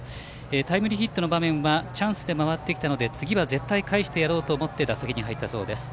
タイムリーヒットの場面はチャンスで回ってきたので次は絶対返してやろうと思って打席に入ったそうです。